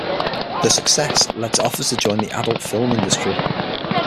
Their success led to offers to join the adult film industry.